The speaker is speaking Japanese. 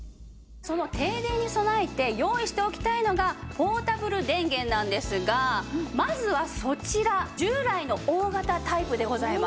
その停電に備えて用意しておきたいのがポーダブル電源なんですがまずはそちら従来の大型タイプでございます。